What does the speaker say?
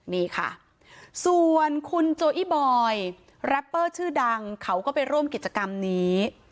นี่ค่ะส่วนคุณโจอีบอยแรปเปอร์ชื่อดังเขาก็ไปร่วมกิจกรรมนี้